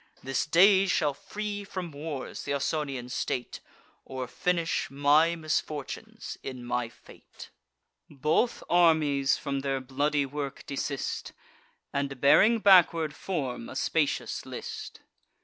This day shall free from wars th' Ausonian state, Or finish my misfortunes in my fate." Both armies from their bloody work desist, And, bearing backward, form a spacious list.